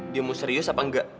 dia mau serius apa enggak